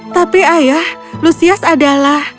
tapi ayah lusias adalah